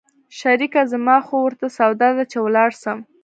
شريکه زما خو ورته سودا ده چې ولاړ سم.